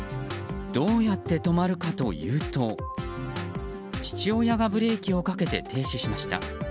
どうやって止まるかというと父親がブレーキをかけて停止しました。